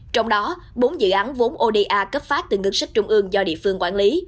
trong đó bốn dự án vốn oda cấp phát từ ngân sách trung ương do địa phương quản lý